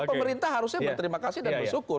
pemerintah harusnya berterima kasih dan bersyukur